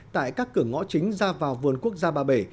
tại các cửa ngõ chính ra vào vườn quốc gia ba bể